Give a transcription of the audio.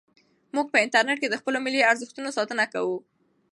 موږ په انټرنیټ کې د خپلو ملي ارزښتونو ساتنه کوو.